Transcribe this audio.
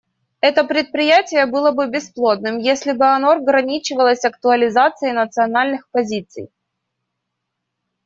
Это предприятие было бы бесплодным, если бы оно ограничивалось актуализацией национальных позиций.